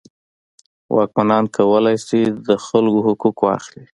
واکمنان کولی شول د خلکو حقوق واخلي.